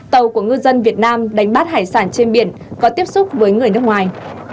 tàu của ngư dân việt nam đánh bắt hải sản trên biển có tiếp xúc với người nước ngoài